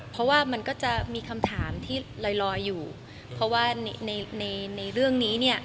เพราะว่ามันก็จะมีคำถามที่ลอยลอยอยู่เพราะว่าในในเรื่องนี้เนี่ย